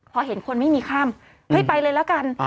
พอเห็นคนไม่มีข้ามเฮ้ยไปเลยแล้วกัน